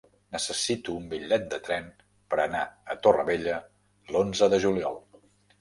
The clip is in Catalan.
Necessito un bitllet de tren per anar a Torrevella l'onze de juliol.